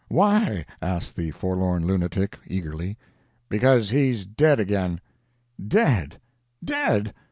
"Why?" asked the forlorn lunatic, eagerly. "Because he's dead again." "Dead! Dead!